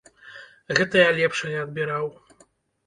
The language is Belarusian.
Гэта я лепшае адбіраў.